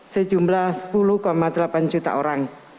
sejumlah sepuluh delapan juta orang